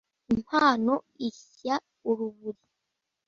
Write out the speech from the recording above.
impano ishya uruburi